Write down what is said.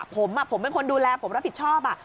ผมเป็นคนดูแลผมรับผิดชอบ